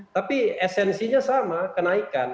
tapi esensinya sama kenaikan